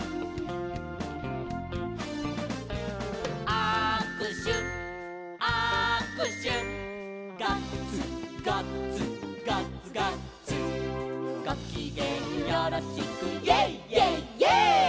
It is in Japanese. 「あくしゅあくしゅ」「ガッツガッツガッツガッツ」「ごきげんよろしくイェイイェイイェイ！」